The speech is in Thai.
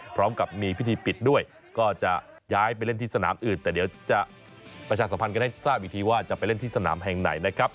พร้อมกับมีพิธีปิดด้วยก็จะย้ายไปเล่นที่สนามอื่นแต่เดี๋ยวจะประชาสัมพันธ์กันให้ทราบอีกทีว่าจะไปเล่นที่สนามแห่งไหนนะครับ